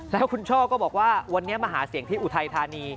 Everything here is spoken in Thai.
แล้วคุณช่อก็บอกว่าวันนี้มาหาเสียงที่อุทัยธานี